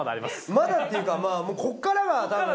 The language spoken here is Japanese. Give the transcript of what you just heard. まだっていうかまぁこっからがたぶん。